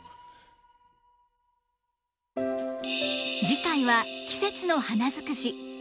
次回は季節の花尽くし。